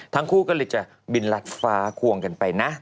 ทั้งคู่ก็เลยจะบินรัดฟ้าควงกันไปนะ